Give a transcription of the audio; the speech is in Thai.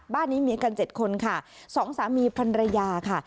บ้านนี้มีกัน๗คนค่ะสองสามีพันรยาค่ะ